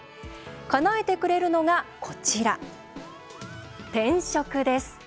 かなえてくれるのがこちら、転職です。